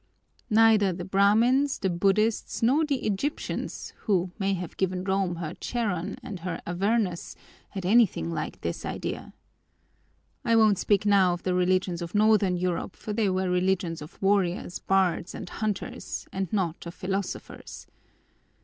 Neither the Brahmins, the Buddhists, nor the Egyptians, who may have given Rome her Charon and her Avernus, had anything like this idea. I won't speak now of the religions of northern Europe, for they were religions of warriors, bards, and hunters, and not of philosophers.